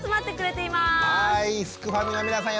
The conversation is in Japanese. はいすくファミの皆さん